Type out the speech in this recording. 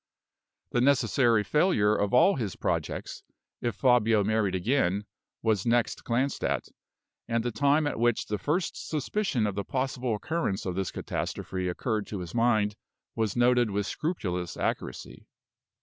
The necessary failure of all his projects, if Fabio married again, was next glanced at; and the time at which the first suspicion of the possible occurrence of this catastrophe occurred to his mind was noted with scrupulous accuracy.